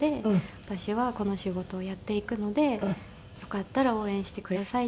私はこの仕事をやっていくのでよかったら応援してください。